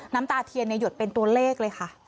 น้ำตาเทียนหยดเป็นตัวเลขเลยค่ะ